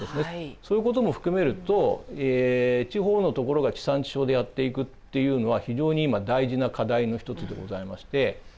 そういうことも含めると地方のところが地産地消でやっていくというのは非常に今大事な課題の一つでございまして。